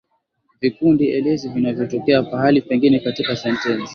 Vikundi elezi vinavyotokea pahala pengine katika sentensi